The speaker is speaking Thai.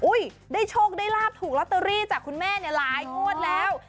อุ๊ยได้โชคได้ราบถูกล็อตเตอรี่จากคุณแม่หลายงวดแล้ว